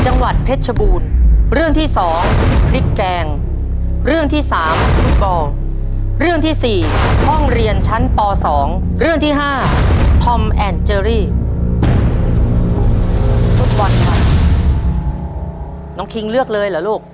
น้องคิงเลือกเลยเหรอลูก